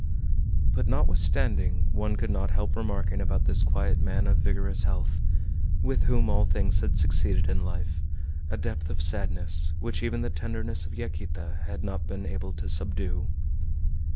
But, notwithstanding one could not help remarking about this quiet man of vigorous health, with whom all things had succeeded in life, a depth of sadness which even the tenderness of Yaquita had not been able to subdue.